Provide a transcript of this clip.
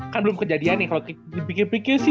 kan belum kejadian nih kalau dipikir pikir sih